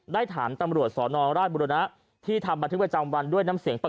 ได้ถามตำรวจสวนองค์ราชบุรณะที่ทำบัททิศไปจำมันด้วยน้ำเสียงปกติ